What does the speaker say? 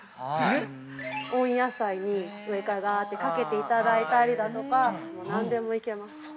◆温野菜に、上からがぁっとかけていただいたり、何でもいけます。